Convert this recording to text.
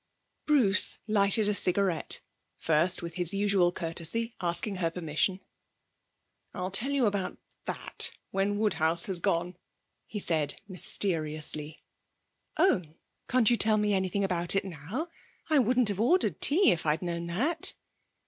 Bruce lighted a cigarette, first, with his usual courtesy, asking her permission. 'I'll tell you about that when Woodhouse has gone,' he said mysteriously. 'Oh, can't you tell me anything about it now? I wouldn't have ordered tea if I'd known that!'